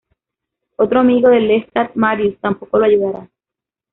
Otro amigo de Lestat, Marius, tampoco lo ayudará.